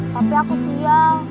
tapi aku sial